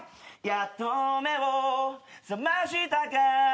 「やっと眼を覚ましたかい」